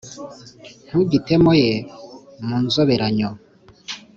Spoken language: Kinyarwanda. ntugitemoye mu nzoberanyo !